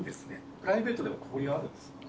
プライベートでも交流あるんですか。